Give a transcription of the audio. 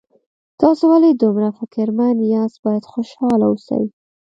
تاسو ولې دومره فکرمن یاست باید خوشحاله اوسئ